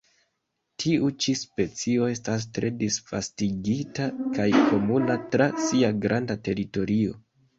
Tiu ĉi specio estas tre disvastigita kaj komuna tra sia granda teritorio.